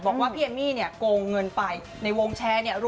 พี่เอมมี่เนี่ยโกงเงินไปในวงแชร์เนี่ย